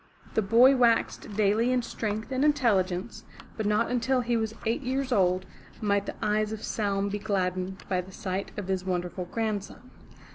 The boy waxed daily in strength and intelligence, but not until he was eight years old, might the eyes of Saum be gladdened by the sight of his wonderful grandson.